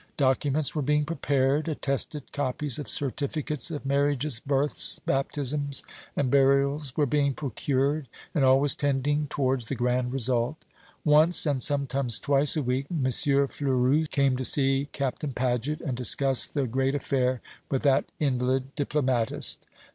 Documents were being prepared, attested copies of certificates of marriages, births, baptisms, and burials were being procured, and all was tending towards the grand result. Once, and sometimes twice a week, M. Fleurus came to see Captain Paget, and discussed the great affair with that invalid diplomatist.